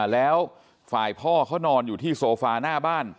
แล้วฝ่ายพ่อเขานอนอยู่ที่โซฟาหน้าบ้าน